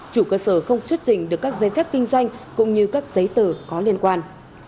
chủ cơ sở không xuất trình được các giấy phép kinh doanh cũng như các giấy tờ có liên quan